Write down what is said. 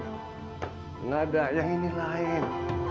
tidak ada yang ini lain